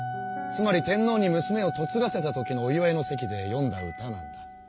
つまり天皇に娘をとつがせた時のお祝いの席でよんだ歌なんだ。